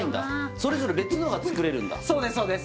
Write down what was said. それぞれ別のが作れるんだそうです